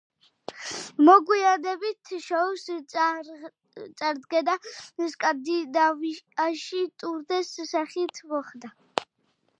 მოგვიანებით შოუს წარდგენა სკანდინავიაში ტურნეს სახით მოხდა.